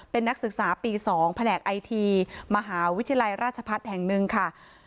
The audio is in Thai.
เป็นนักศึกษาปี๒แผนกไอทีมหาวิทยาลัยราชพัฒน์แห่งหนึ่งค่ะ